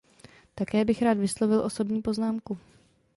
Také bych rád vyslovil osobní poznámku.